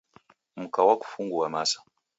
Mka wakufungua masa.